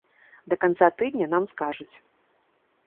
Да канца тыдня нам скажуць.